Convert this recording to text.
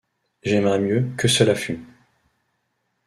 Et j’aimerais mieux que cela fût!